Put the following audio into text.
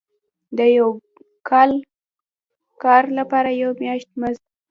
د یو کال کار لپاره یو میاشت مزد.